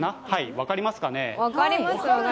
分かりますかね。